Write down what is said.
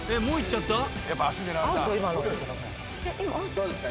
どうですか？